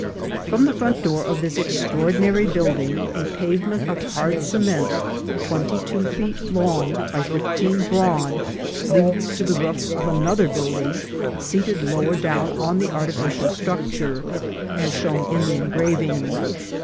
From the front door of this extraordinary building a pavement of hard cement, twenty two feet long by fif teen broad, leads to the roof of another building, seated lower down on the artificial structure, as shown in the engraving.